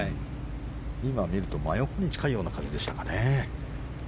今、見ると真横に近いような風でしたかね。